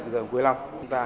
từ giờ cuối năm